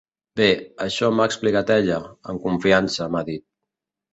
Bé, això m’ha explicat ella, en confiança m’ha dit.